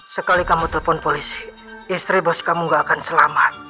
sekali kamu telpon polisi istri bos kamu gak akan selamat